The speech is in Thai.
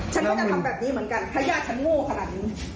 ฉันก็จะทำแบบนี้เหมือนกันถ้ายากฉันโง่ขอเรื่องนี้